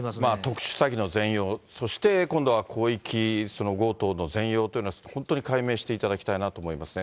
特殊詐欺の全容、そして、今度は広域強盗の全容というのは、本当に解明していただきたいなと思いますね。